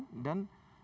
terjadi pencemaran dan